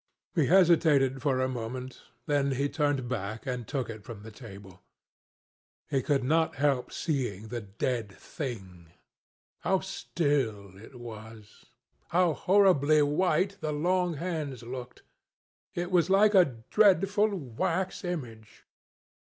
He hesitated for a moment, then he turned back and took it from the table. He could not help seeing the dead thing. How still it was! How horribly white the long hands looked! It was like a dreadful wax image.